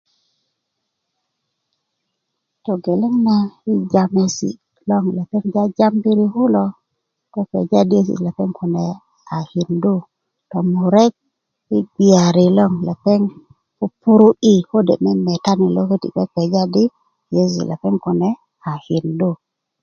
togeleŋ na i james logon lepeŋ jajambiri kune kpeja kpeja di yeiyesi ti lepeŋ kune a kindu tomurek i bgeyari logon lepeŋ pupur'i kode memetani lo köti kpekpeja di yeiyesi ti lepeŋ kune a kindu